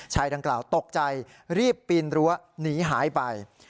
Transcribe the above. ดังกล่าวตกใจรีบปีนรั้วหนีหายไป